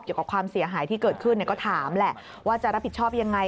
ความเสียหายที่เกิดขึ้นก็ถามแหละว่าจะรับผิดชอบยังไง